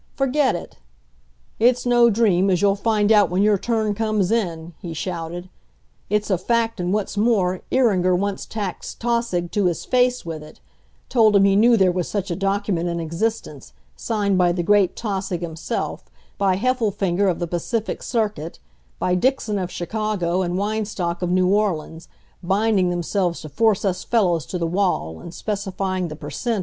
'Forget it.' 'It's no dream, as you'll find out when your turn comes in time,' he shouted. 'It's a fact, and what's more, Iringer once taxed Tausig to his face with it; told him he knew there was such a document in existence, signed by the great Tausig himself, by Heffelfinger of the Pacific circuit; by Dixon of Chicago, and Weinstock of New Orleans, binding themselves to force us fellows to the wall, and specifying the per cent.